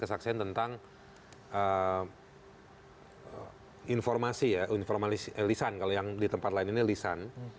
kesaksian tentang informasi ya informal lisan kalau yang di tempat lain ini lisan